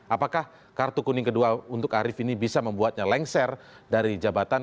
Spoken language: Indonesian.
apakah kartu kuning kedua untuk arief ini bisa membuatnya lengser dari jabatan